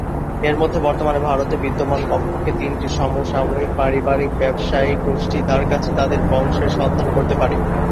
এর মধ্যে, বর্তমানে ভারতে বিদ্যমান কমপক্ষে তিনটি সমসাময়িক পারিবারিক ব্যবসায়িক গোষ্ঠী তাঁর কাছে তাদের বংশের সন্ধান করতে পারে।